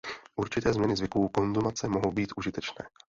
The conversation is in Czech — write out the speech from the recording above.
Určité změny zvyků u konzumace mohou být užitečné.